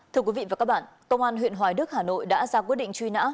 thưa quý vị và các bạn công an huyện hoài đức hà nội đã ra quyết định truy nã